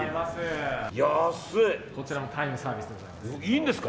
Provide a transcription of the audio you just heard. こちらもタイムサービスです。